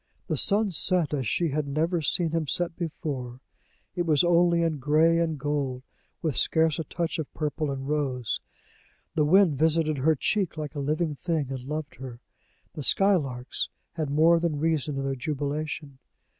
The sun set as she had never seen him set before; it was only in gray and gold, with scarce a touch of purple and rose; the wind visited her cheek like a living thing, and loved her; the skylarks had more than reason in their jubilation.